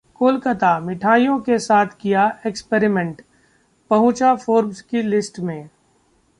कोलकाता: मिठाइयों के साथ किया एक्सपेरिमेंट, पहुंचा फोर्ब्स की लिस्ट में